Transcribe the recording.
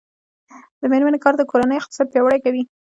د میرمنو کار د کورنۍ اقتصاد پیاوړی کوي.